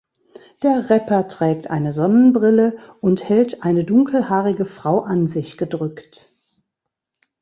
Der Rapper trägt eine Sonnenbrille und hält eine dunkelhaarige Frau an sich gedrückt.